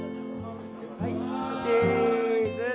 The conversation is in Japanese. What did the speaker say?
はいチーズ！